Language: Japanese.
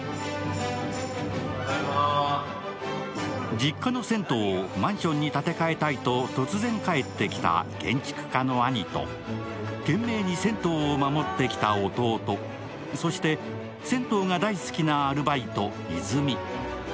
実家の銭湯をマンションに建て替えたいと突然帰ってきた懸命に銭湯を守ってきた弟、そして、銭湯が大好きなアルバイトいづみ。